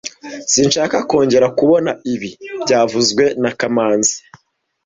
Sinshaka kongera kubona ibi byavuzwe na kamanzi